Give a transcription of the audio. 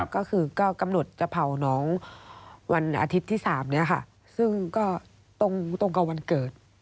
ก็คือก็กำหนดจะเผาน้องวันอาทิตย์ที่๓นี้ค่ะซึ่งก็ตรงกับวันเกิด